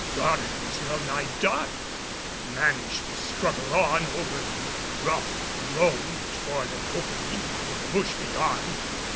Goddard was well nigh done, but managed to struggle on over the rough loam toward an opening in the bush beyond.